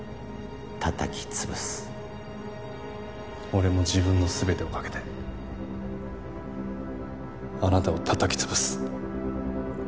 俺も自分の全てをかけてあなたをたたき潰す。